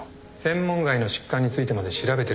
専門外の疾患についてまで調べてる